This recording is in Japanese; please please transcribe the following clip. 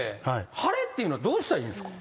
腫れっていうのはどうしたらいいんですか？